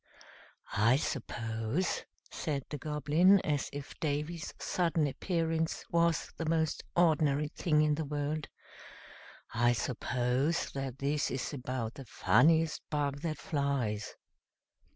"I suppose," said the Goblin, as if Davy's sudden appearance was the most ordinary thing in the world, "I suppose that this is about the funniest bug that flies."